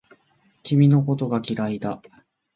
君のことが嫌いだ